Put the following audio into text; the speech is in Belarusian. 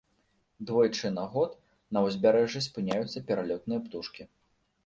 Двойчы на год на ўзбярэжжы спыняюцца пералётныя птушкі.